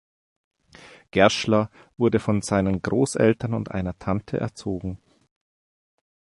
Gerschler wurde von seinen Großeltern und einer Tante erzogen.